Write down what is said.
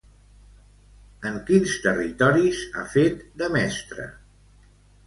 En quins territoris ha fet de mestra?